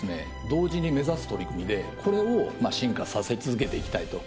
同時に目指す取り組みでこれを進化させ続けていきたいと。